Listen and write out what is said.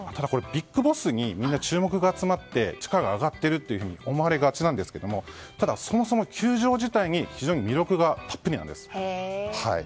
ただ、ＢＩＧＢＯＳＳにみんな注目が集まって地価が上がっていると思われがちなんですがただ、そもそも球場自体に非常に魅力がたっぷりなんです。